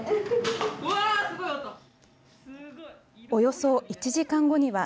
およそ１時間後には。